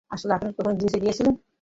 আসলে, আপনি কি আগে কখনো গ্রিসে ছিলেন?